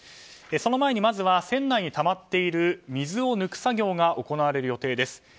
その前にまずは船内にたまっている水を抜く作業が行われる予定です。